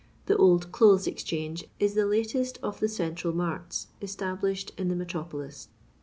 The Old Clothes Exchange is the latest of the central marts, established in the me tropolis.